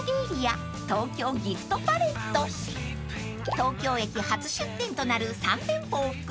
［東京駅初出店となる３店舗を含む